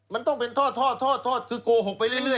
มันต้องเป็นท่อคือโกหกไปเรื่อย